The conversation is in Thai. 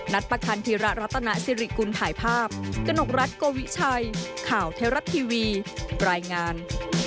ประคันธิระรัตนสิริกุลถ่ายภาพกนกรัฐโกวิชัยข่าวเทวรัฐทีวีรายงาน